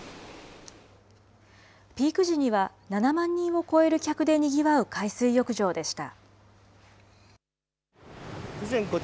ピーク時には７万人を超える客でにぎわう海水浴場でした。